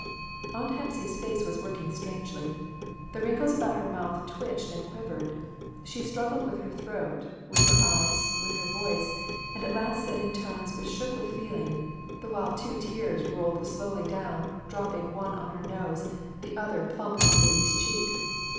Aunt Hepsy's face was working strangely. The wrinkles about her mouth twitched and quiv ered; she struggled with her throat, with her eyes, with her voice, and at last said in tones which shook with feeling, the while two tears rolled slowly down, dropping one on her nose, the 428 j. s. R. other plump on the baby's cheek.